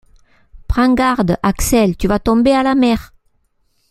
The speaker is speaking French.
Prends garde, Axel, tu vas tomber à la mer !